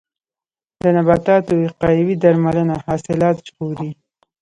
د نباتاتو وقایوي درملنه حاصلات ژغوري.